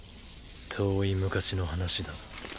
遠い昔の話だ。